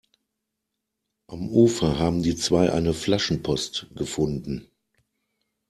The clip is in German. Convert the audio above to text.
Am Ufer haben die zwei eine Flaschenpost gefunden.